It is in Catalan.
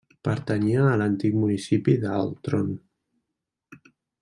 Pertanyia a l'antic municipi d'Altron.